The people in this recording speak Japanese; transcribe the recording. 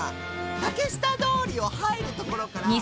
竹下通りを入るところから。